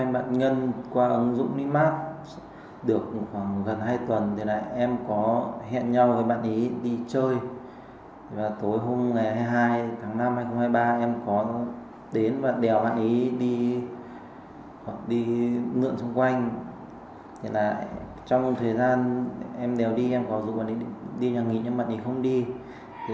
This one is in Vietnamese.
đi ngưỡng xung quanh trong thời gian em đèo đi em có dụng bạn ấy đi nhà nghỉ nhưng bạn ấy không đi